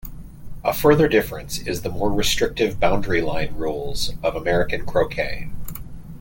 A further difference is the more restrictive boundary-line rules of American croquet.